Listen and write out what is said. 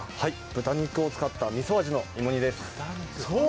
豚肉を使ったみそ味の芋煮です。